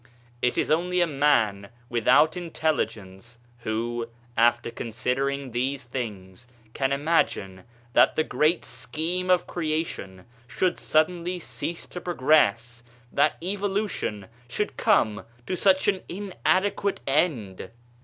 It is only a man without intelligence who, after con sidering these things, can imagine that the great scheme of creation should suddenly cease to progress, that evolution should come to such an inadequate end